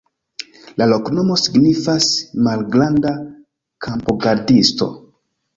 La loknomo signifas: malgranda-kampogardisto.